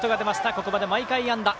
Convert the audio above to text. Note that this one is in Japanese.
ここまで毎回安打。